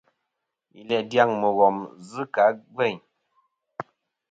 Yi læ dyaŋ mùghom zɨ kɨ̀ a gveyn.